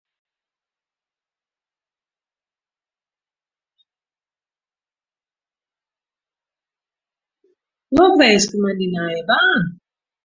Lokwinske mei dyn nije baan.